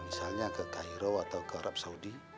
misalnya ke cairo atau ke arab saudi